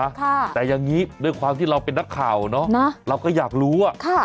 ค่ะแต่อย่างงี้ด้วยความที่เราเป็นนักข่าวเนอะนะเราก็อยากรู้อ่ะค่ะ